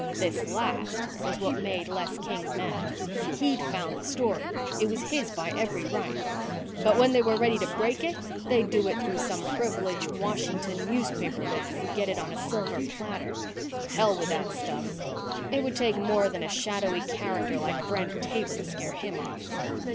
This last was what made Les King mad. He'd found the story. It was his by every right. But when they were ready to break it they'd do it through some privileged Washington newspaperman who'd get it on a silver platter. The hell with that stuff. It would take more than a shadowy character like Brent Taber to scare him off.